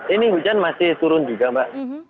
ini hujan masih turun juga mbak